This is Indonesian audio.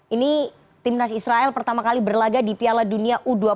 ini timnas israel pertama kali berlaga di piala dunia u dua puluh